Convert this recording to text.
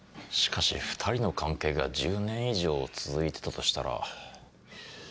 しかし２人の関係が１０年以上続いてたとしたら。